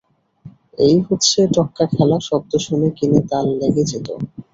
এই হচ্ছে টক্কা খেলা শব্দ শুনে কিনে তাল লেগে যেত।